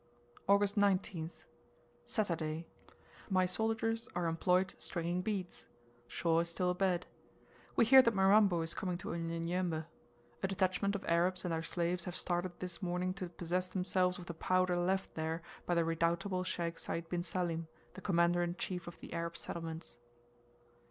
August 19th. Saturday. My soldiers are employed stringing beads. Shaw is still a bed. We hear that Mirambo is coming to Unyanyembe. A detachment of Arabs and their slaves have started this morning to possess themselves of the powder left there by the redoubtable Sheikh Sayd bin Salim, the commander in chief of the Arab settlements.